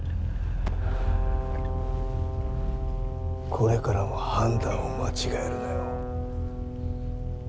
これからも判断を間違えるなよ。